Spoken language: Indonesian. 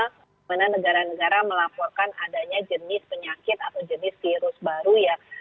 bagaimana negara negara melaporkan adanya jenis penyakit atau jenis virus baru ya